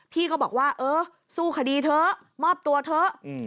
พี่ก็บอกว่าเออสู้คดีเถอะมอบตัวเถอะ